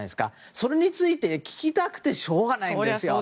それについて、聞きたくてしょうがないんですよ。